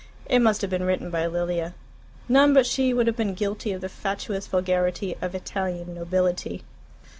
It must have been written by Lilia. None but she would have been guilty of the fatuous vulgarity of "Italian nobility."